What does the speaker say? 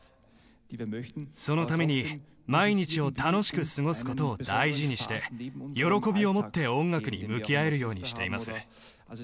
そのために毎日を楽しく過ごす事を大事にして喜びを持って音楽に向き合えるようにしています。